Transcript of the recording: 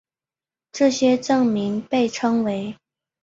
这些证明被称为。